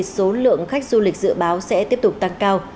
số lượng khách du lịch dự báo sẽ tiếp tục tăng cao